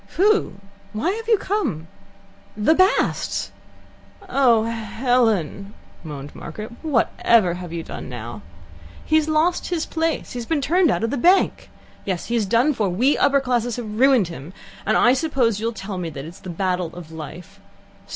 "Who? Why have you come?" "The Basts." "Oh, Helen!" moaned Margaret. "Whatever have you done now?" "He has lost his place. He has been turned out of his bank. Yes, he's done for. We upper classes have ruined him, and I suppose you'll tell me it's the battle of life.